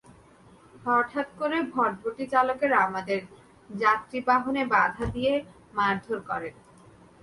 হঠাৎ করে ভটভটি চালকেরা আমাদের যাত্রী বহনে বাধা দিয়ে মারধর করেন।